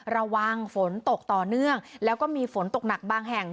ระวังฝนตกต่อเนื่องแล้วก็มีฝนตกหนักบางแห่ง